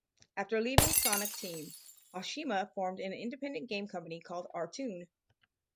After leaving Sonic Team, Ohshima formed an independent game company called Artoon.